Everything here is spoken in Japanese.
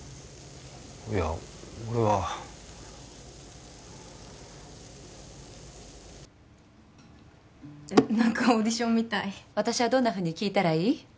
いや俺は何かオーディションみたい私はどんなふうに聴いたらいい？